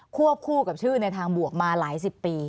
วบคู่กับชื่อในทางบวกมาหลายสิบปี